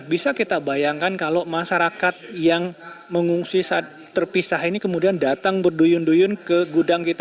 bisa kita bayangkan kalau masyarakat yang mengungsi saat terpisah ini kemudian datang berduyun duyun ke gudang kita